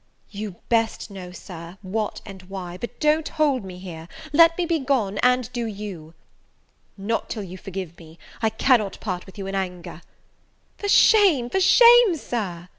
"You best know, Sir, what and why: but don't hold me here, let me be gone; and do you!" "Not till you forgive me! I cannot part with you in anger." "For shame, for shame, Sir!"